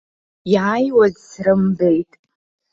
Иааиуаз срымбеит.